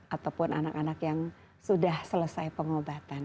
ataupun anak anak yang sudah selesai pengobatan